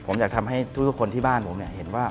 ผมอยากทำให้ทุกคนที่บ้านผมเห็นว่า